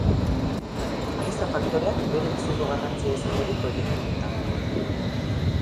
Giza faktoreak berebiziko garrantzia izango du proiektu honetan.